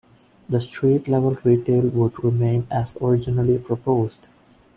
The street-level retail would remain as originally proposed.